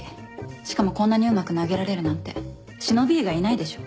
しかもこんなにうまく投げられるなんて忍び以外いないでしょ。